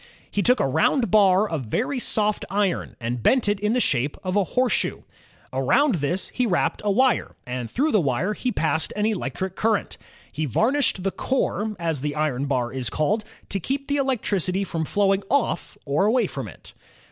He took a round bar of very soft iron and bent it in the shape ki^cteomaoket of a horseshoe. Around this he wrapped a wire, and through the wire he passed an electric current. He varnished the core, as the iron bar is called, to keep the electricity from flowing off or away from it.